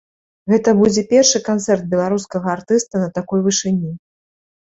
Гэта будзе першы канцэрт беларускага артыста на такой вышыні.